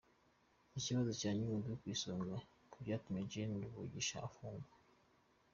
Ikibazo cya Nyungwe ku isonga mu byatumye Gen Ruvusha afungwa